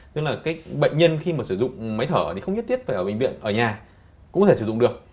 tức là cái bệnh nhân khi mà sử dụng máy thở thì không nhất thiết phải ở bệnh viện ở nhà cũng có thể sử dụng được